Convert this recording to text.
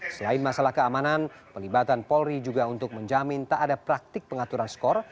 selain masalah keamanan pelibatan polri juga untuk menjamin tak ada praktik pengaturan skor